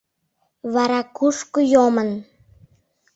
Вара кушко йомын?..